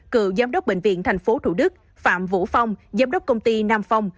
cựu giám đốc bệnh viện tp thủ đức phạm vũ phong giám đốc công ty nam phong